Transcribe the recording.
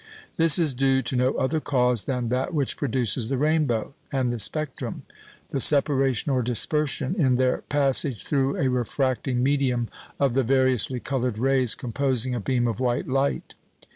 This is due to no other cause than that which produces the rainbow and the spectrum the separation, or "dispersion" in their passage through a refracting medium, of the variously coloured rays composing a beam of white light.